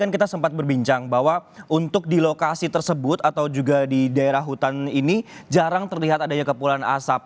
kita sempat berbincang bahwa untuk di lokasi tersebut atau juga di daerah hutan ini jarang terlihat adanya kepulan asap